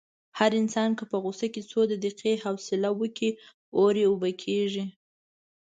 هر انسان که په غوسه کې څو دقیقې حوصله وکړي، اور یې اوبه کېږي.